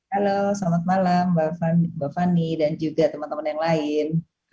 halo selamat malam mbak fani dan juga teman teman yang lain